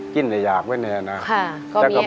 กินแต่อยากไว้แน่นะ